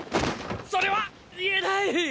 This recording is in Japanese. それは言えない！